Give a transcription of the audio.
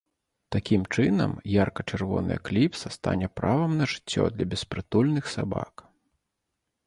Такім чынам ярка-чырвоная кліпса стане правам на жыццё для беспрытульных сабак.